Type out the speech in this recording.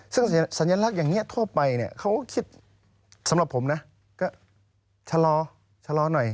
ซึ่งสัญลักษณ์อย่างนี้ทั่วไปเนี่ยเขาก็คิดสำหรับผมนะก็ชะลอชะลอหน่อย